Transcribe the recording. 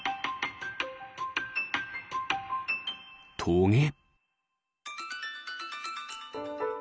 トゲ。